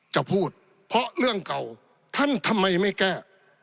จะพูดเพราะเรื่องเก่าท่านทำไมไม่แก้